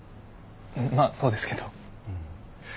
まあそうですけど。